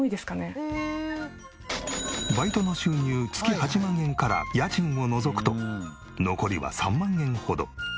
バイトの収入月８万円から家賃を除くと残りは３万円ほど。